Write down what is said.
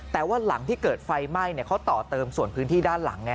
แต่ว่าหลังที่เกิดไฟไหม้เขาต่อเติมส่วนพื้นที่ด้านหลัง